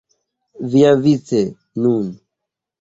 Viavice, nun!